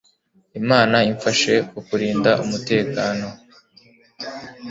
imana imfashe kukurinda umutekano